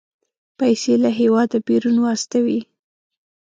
پيسې له هېواده بيرون واستوي.